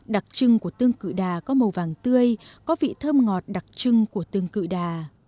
đặc trưng của tương cự đà có màu vàng tươi có vị thơm ngọt đặc trưng của tương cự đà